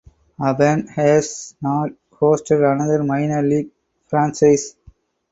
Auburn has not hosted another minor league franchise.